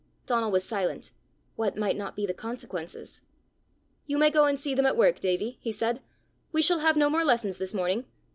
Donal was silent: what might not be the consequences! "You may go and see them at work, Davie," he said. "We shall have no more lessons this morning.